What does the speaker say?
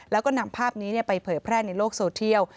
แล้วก็นำภาพนี้ไปเผยแพร่ในโลกโซเทียล